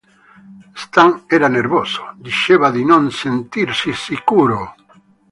Stan era nervoso, diceva di non sentirsi sicuro.